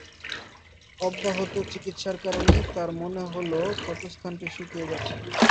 অব্যাহত চিকিৎসার কারণে তার মনে হল ক্ষতস্থানটি শুকিয়ে গেছে।